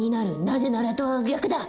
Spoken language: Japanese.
「なぜなら」とは逆だ。